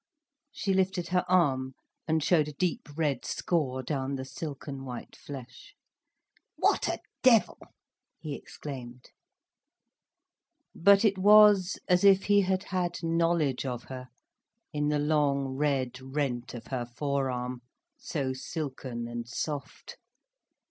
She lifted her arm and showed a deep red score down the silken white flesh. "What a devil!" he exclaimed. But it was as if he had had knowledge of her in the long red rent of her forearm, so silken and soft.